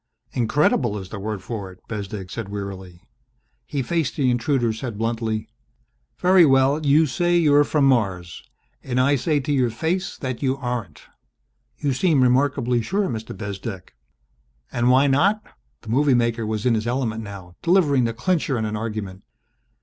"Incredible is the word for it," Bezdek said wearily. He faced the intruder, said bluntly, "Very well, you say you're from Mars. And I say to your face that you aren't!" "You seem remarkably sure, Mr. Bezdek." "And why not?" The movie maker was in his element now, delivering the clincher in an argument.